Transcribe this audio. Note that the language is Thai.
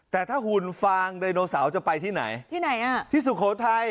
แต่ถ้าหุ่นฟางไดโนเสาร์จะไปที่ไหนที่ไหนอ่ะที่สุโขทัย